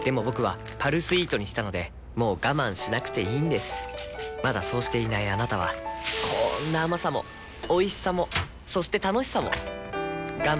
僕は「パルスイート」にしたのでもう我慢しなくていいんですまだそうしていないあなたはこんな甘さもおいしさもそして楽しさもあちっ。